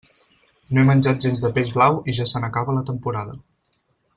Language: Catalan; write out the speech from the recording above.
No he menjat gens de peix blau i ja se n'acaba la temporada.